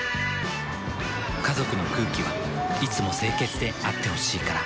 家族の空気はいつも清潔であってほしいから。